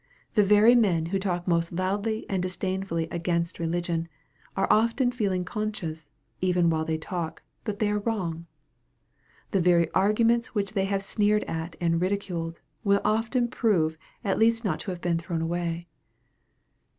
The very men who talk most loudly and disdainfully against religion, are often feeling conscious, even while they talk, that they are wrong. The very arguments which they have sneered at and ridiculed, will often prove at last not to have been thrown away.